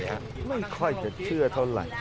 ไม่ค่อยจะเชื่อเท่าไหร่